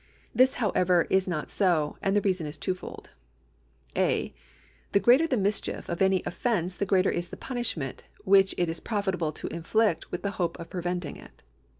This, however, is not so, and the reason is twofpld. (rt) The greater the mischief of any offence the greater is the punishment which it is profitable to inflict with the hope of preventing it.